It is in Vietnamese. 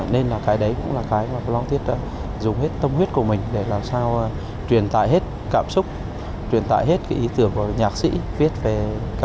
nên là cái đấy cũng là cái blanc thuyết đã dùng hết tâm huyết của mình để làm sao truyền tải hết cảm xúc truyền tải hết ý tưởng của nhạc sĩ viết về ca khúc này